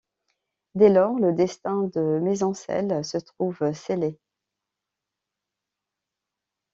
Des lors le destin de Maisoncelles se trouve scellé.